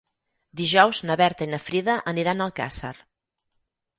Dijous na Berta i na Frida aniran a Alcàsser.